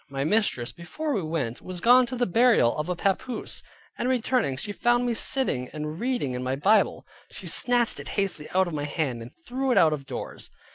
My mistress, before we went, was gone to the burial of a papoose, and returning, she found me sitting and reading in my Bible; she snatched it hastily out of my hand, and threw it out of doors.